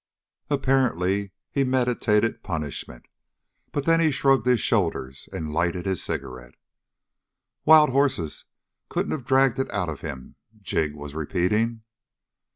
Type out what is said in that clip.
Apparently he meditated punishment, but then he shrugged his shoulders and lighted his cigarette. "Wild horses couldn't have dragged it out of him!" Jig was repeating.